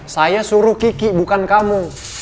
saya suruh kiki bukan kamu